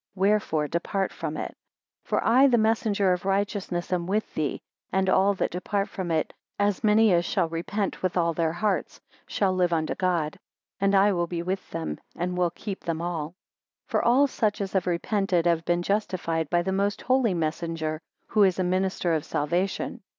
Wherefore depart from it. 9 For I the messenger of righteousness am with thee, and all that depart from it: as many as shall repent with all their hearts, shall live unto God; and I will be with them, and will keep them all. 10 For all such as have repented have been justified by the most holy messenger, who is a minister of salvation.